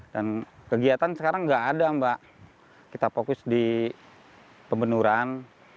dan kegiatan sekarang tidak ada mbak kita fokus di pembenuran